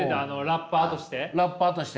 ラッパーとして？